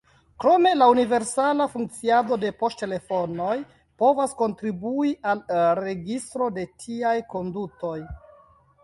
Krome la universala funkciado de poŝtelefonoj povas kontribui al registro de tiaj kondutoj.